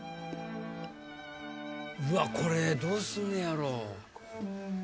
うわこれどうすんねやろ？